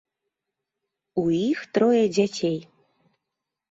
У іх трое дзяцей.